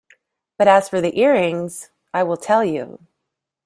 But as for the earrings — I will tell you.